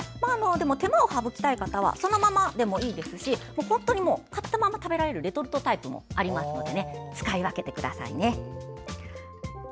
手間を省きたい方はそのままでもいいですし本当に買ったまま食べられるレトルトタイプもありますので使い分けてください。